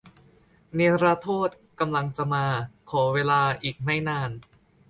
นิรโทษกำลังจะมา ขอเวลาอีกไม่นาน